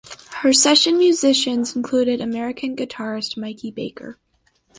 Her session musicians included American guitarist Mickey Baker.